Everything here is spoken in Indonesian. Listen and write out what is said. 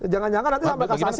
jangan jangan nanti sampai kasasi